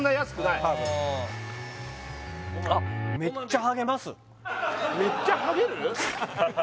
多分めっちゃハゲる？